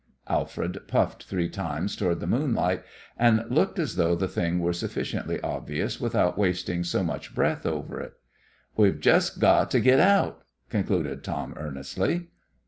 Alfred puffed three times toward the moonlight, and looked as though the thing were sufficiently obvious without wasting so much breath over it. "We've jest got to git out!" concluded Tom, earnestly.